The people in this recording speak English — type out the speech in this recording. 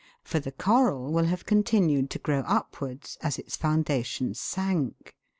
For the coral will have continued to grow upwards as its foundations sank.